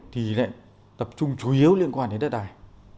thì lại tập trung chủ yếu liên quan đến đất đài